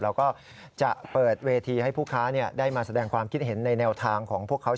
เราก็จะเปิดเวทีให้ผู้ค้าได้มาแสดงความคิดเห็นในแนวทางของพวกเขา